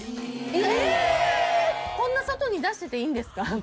こんな外に出してていいんですか？